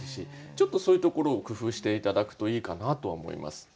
ちょっとそういうところを工夫して頂くといいかなとは思います。